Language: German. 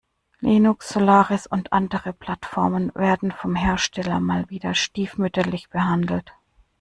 Linux, Solaris und andere Plattformen werden vom Hersteller mal wieder stiefmütterlich behandelt.